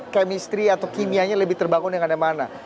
kemistri atau kimianya lebih terbangun dengan yang mana